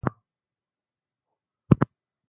چیغې یې وهلې: دا ده د باران ورېځه!